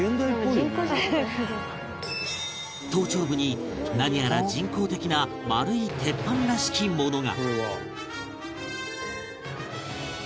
頭頂部に何やら人工的な円い鉄板らしきものが